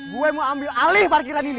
gue mau ambil alih parkiran ini